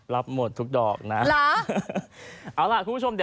รับหมดทุกดอกนะ